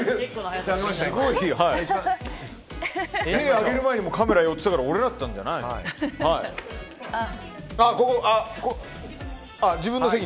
手上げる前にカメラ寄ってたから俺だったんじゃないの。